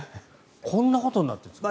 こんなことになっているんですか。